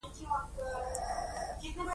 ریچارډ ارکرایټ د نساجۍ ماشین اختراع کړ.